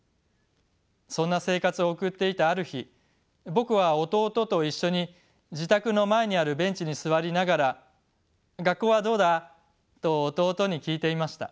そんな生活を送っていたある日僕は弟と一緒に自宅の前にあるベンチに座りながら「学校はどうだ？」と弟に聞いていました。